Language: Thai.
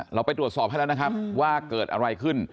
เราไปตรวจสอบให้แล้วนะครับว่าเกิดอะไรขึ้น